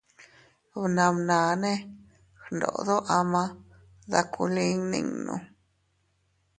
Bnabnane gndodo ama dakulin ninno.